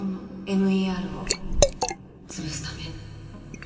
ＭＥＲ をつぶすため